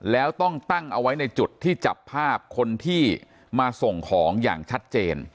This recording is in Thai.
แล้วต้องตั้งเอาไว้ในจุดที่จับภาพคนที่มาส่งของอย่างชัดเจน